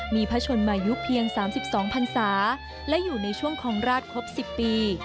มีพระชนมายุเพียง๓๒พันศาและอยู่ในช่วงของราชครบ๑๐ปี